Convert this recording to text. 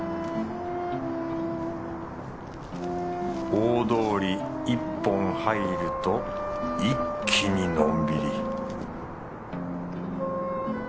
大通り１本入ると一気にのんびり